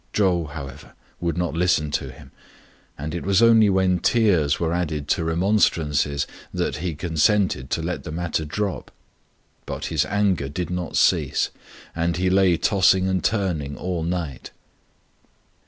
Chou, however, would not listen to him ; and it was only when tears were added to remonstrances that he consented to let the matter drop. But his anger did not cease, and he lay tossing and turning all night.